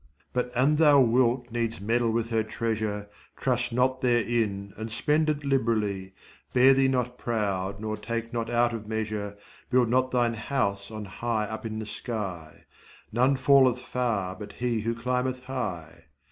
But an thou wilt needs meddle with her treasure, Trust not therein and spend it lib'rally, Bear thee not proud, nor take not out of measure, Build not thine house on high up in the sky. None falleth far but he who climbeth high.